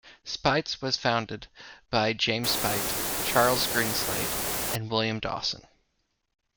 Speights was founded by James Speight, Charles Greenslade, and William Dawson.